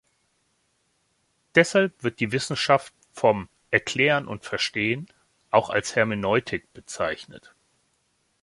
Deshalb wird die Wissenschaft vom „Erklären und Verstehen“ auch als Hermeneutik bezeichnet.